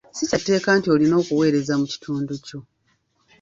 Si kya tteeka nti olina okuweereza mu kitundu kyo.